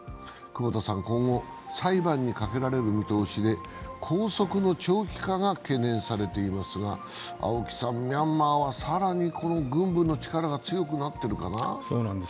久保田さん、今後、裁判にかけられる見通しで拘束の長期化が懸念されていますが、ミャンマーはさらに軍部の力が強くなってるかな。